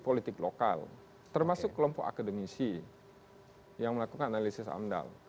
politik lokal termasuk kelompok akademisi yang melakukan analisis amdal